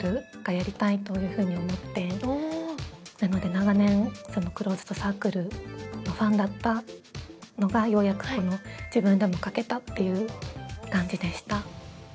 長年、クローズドサークルのファンだったのが、ようやく自分でも書けたという感じでした。